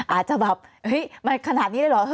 อาจจะแบบเฮ้ยมันขนาดนี้เลยเหรอ